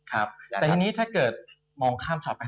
แต่ทีนี้ถ้าเกิดมองข้ามช็อตไป